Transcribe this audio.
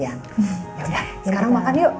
yaudah sekarang makan yuk